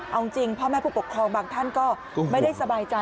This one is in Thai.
เอาจริงพ่อแม่ผู้ปกครองบางท่านก็ไม่ได้สบายใจ